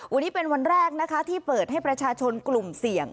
วันนี้เป็นวันแรกนะคะที่เปิดให้ประชาชนกลุ่มเสี่ยง